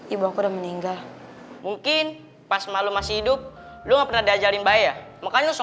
ibu aku udah meninggal mungkin pas malu masih hidup lu nggak pernah diajarin bayar makanya